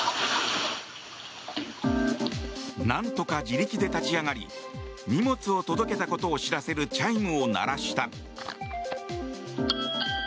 何とか自力で立ち上がり荷物を届けたことを知らせるチャイムを鳴らした。